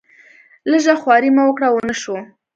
لږه خواري مې وکړه ونه شو.